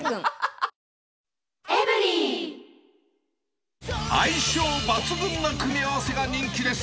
絶好調あぁ相性抜群の組み合わせが人気です。